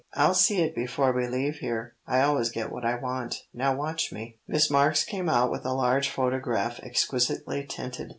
"I'll see it before we leave here. I always get what I want. Now watch me." Miss Marks came out with a large photograph exquisitely tinted.